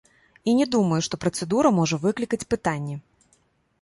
І не думаю, што працэдура можа выклікаць пытанні.